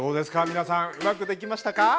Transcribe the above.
皆さんうまくできましたか？